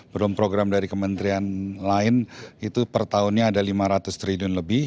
belum program dari kementerian lain itu per tahunnya ada lima ratus triliun lebih